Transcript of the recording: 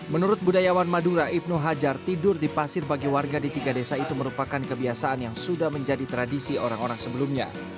menurut budayawan madura ibnu hajar tidur di pasir bagi warga di tiga desa itu merupakan kebiasaan yang sudah menjadi tradisi orang orang sebelumnya